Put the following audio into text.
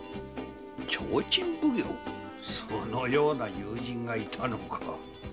そのような友人が居たのか。